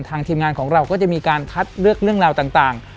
ทีมงานของเราก็จะมีการคัดเลือกเรื่องราวต่าง